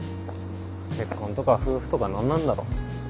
結婚とか夫婦とか何なんだろ。